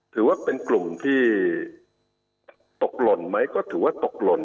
ถือว่าเป็นกลุ่มที่ตกหล่นไหมก็ถือว่าตกหล่น